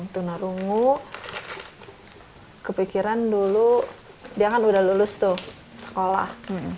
tunarungu kepikiran dulu dia kan udah lulus tuh sekolah